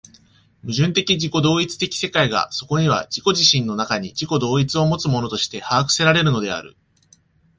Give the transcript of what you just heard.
矛盾的自己同一的世界がそこには自己自身の中に自己同一をもつものとして把握せられるのである。